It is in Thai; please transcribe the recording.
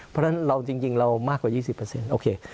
เพราะฉะนั้นเราจริงเรามากกว่า๒๐โอเค